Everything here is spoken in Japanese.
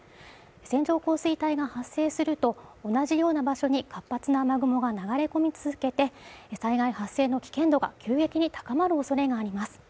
線状降水帯が発生すると、同じような場所に活発な雨雲が流れ込み続けて災害発生の危険度が急激に高まるおそれがあります。